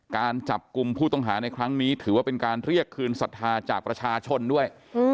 การจับกลุ่มผู้ต้องหาในครั้งนี้ถือว่าเป็นการเรียกคืนศรัทธาจากประชาชนด้วย